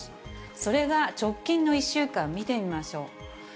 それが直近の１週間、見てみましょう。